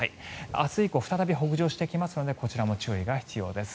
明日以降再び北上してきますのでこちらも注意が必要です。